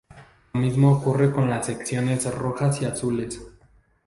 Lo mismo ocurre con las secciones rojas y azules.